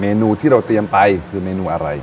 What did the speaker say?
นูที่เราเตรียมไปคือเมนูอะไร